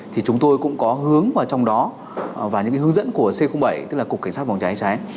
thì chúng tôi cũng có hướng vào trong đó và những hướng dẫn của c bảy tức là cục cảnh sát phòng cháy cháy